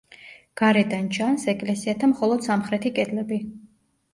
გარედან ჩანს ეკლესიათა მხოლოდ სამხრეთი კედლები.